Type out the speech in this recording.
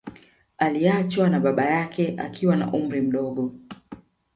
Aliachwa na baba yake akiwa na umri mdogo